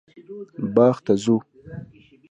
باغ ته ځو